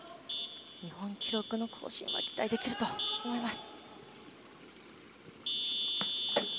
日本記録の更新は期待できると思います。